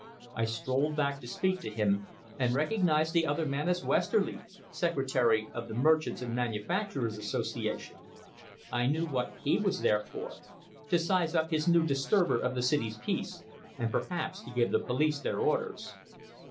I strolled back to speak to him, and recognized the other man as Westerly, secretary of the Merchants' and Manufacturers' Association. I knew what he was there for to size up this new disturber Of the city's peace, and perhaps to give the police their orders.